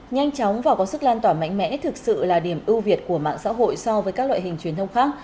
nhanh chóng và có sức lan tỏa mạnh mẽ thực sự là điểm ưu việt của mạng xã hội so với các loại hình truyền thông khác